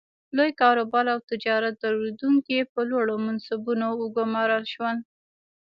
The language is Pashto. لوی کاروبار او تجارت درلودونکي په لوړو منصبونو وګومارل شول.